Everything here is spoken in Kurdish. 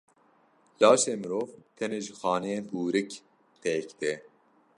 Laşê mirov tenê ji xaneyên hûrik pêk tê.